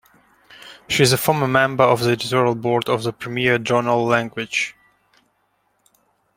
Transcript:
She is a former member of the editorial board of the premiere journal "Language".